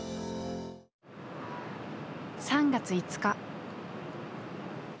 ３月５日。